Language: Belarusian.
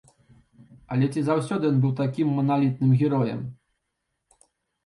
Але ці заўсёды ён быў такім маналітным героем?